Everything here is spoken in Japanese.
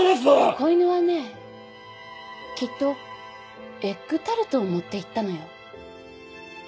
子犬はねきっとエッグタルトを持っていったのよ。